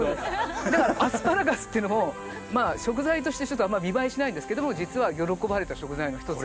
だからアスパラガスっていうのも食材としてちょっとあんま見栄えしないんですけど実は喜ばれた食材のひとつ。